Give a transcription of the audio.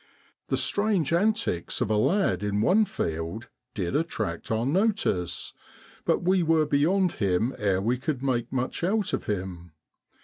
The strange antics of a lad in one field did attract our notice, but we were beyond him ere we could make much out of him.